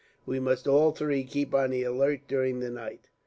We must all three keep on the alert, during the night."